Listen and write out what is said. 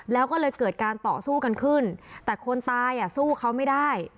แล้วก็เลยเกิดการต่อสู้กันขึ้นแต่คนตายอ่ะสู้เขาไม่ได้